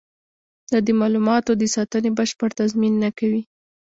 دا د معلوماتو د ساتنې بشپړ تضمین نه کوي.